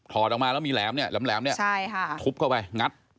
ถอดออกมาแล้วมีแหลมทุบเข้าไปงัด